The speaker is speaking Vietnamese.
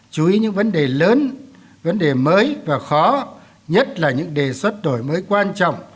chú ý những vấn đề lớn vấn đề mới và khó nhất là những đề xuất đổi mới quan trọng